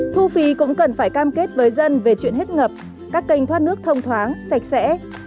thu phí cũng cần phải cam kết với dân về chuyện hết ngập các kênh thoát nước thông thoáng sạch sẽ